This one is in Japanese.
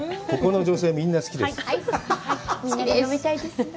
ここの女性、みんな好きです。